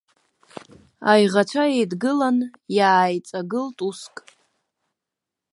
Аиӷацәа еидгылан иааиҵагылт уск.